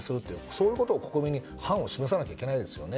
そのことを国民に範を示さなきゃいけないですね。